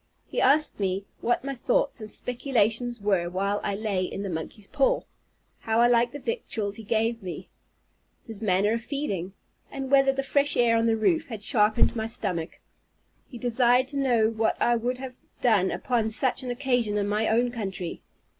He asked me, what my thoughts and speculations were while I lay in the monkey's paw? how I liked the victuals he gave me? his manner of feeding? and whether the fresh air on the roof had sharpened my stomach? He desired to know what I would have done upon such an occasion in my own country?